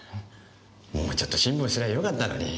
もうちょっと辛抱すりゃよかったのに。